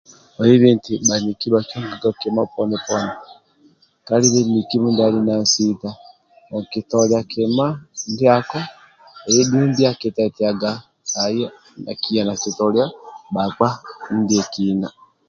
Bhuaibe eti bhaniki bhakiongaga kima poni poni kalibe miki mindia ali na nsita okintolia kima ndiako eye dumbi akitetiaga akiyaga nakitentia nakintolia nkap mindie kina